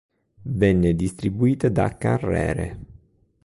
Venne distribuita da Carrere.